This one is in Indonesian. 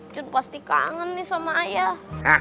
cuma pasti kangen nih sama ayah